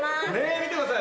見てください